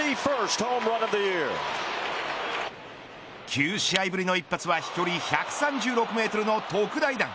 ９試合ぶりの一発は飛距離１３６メートルの特大弾。